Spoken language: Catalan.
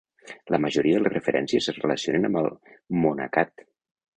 La majoria de les referències es relacionen amb el monacat.